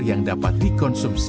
yang dapat dikonsumsi